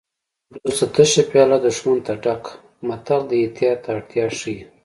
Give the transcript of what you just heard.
دوست ته تشه پیاله دښمن ته ډکه متل د احتیاط اړتیا ښيي